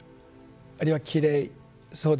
あるいはきれいそうでない。